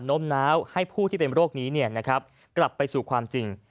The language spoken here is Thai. ้มน้าวให้ผู้ที่เป็นโรคนี้กลับไปสู่ความจริง